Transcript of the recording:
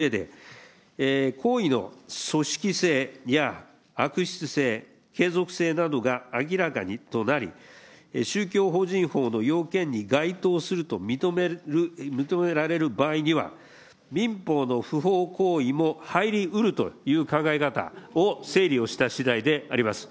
政府の考え方、整理をしたうえで、行為の組織性や悪質性、継続性などが明らかとなり、宗教法人法の要件に該当すると認められる場合には、民法の不法行為も入りうるという考え方を整理をしたしだいでございます。